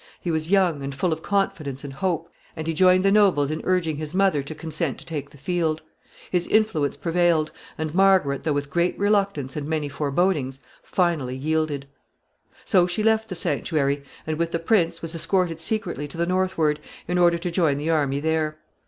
He was young, and full of confidence and hope, and he joined the nobles in urging his mother to consent to take the field. His influence prevailed; and Margaret, though with great reluctance and many forebodings, finally yielded. [Sidenote: An army collected.] So she left the sanctuary, and, with the prince, was escorted secretly to the northward, in order to join the army there.